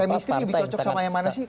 kemistri lebih cocok sama yang mana sih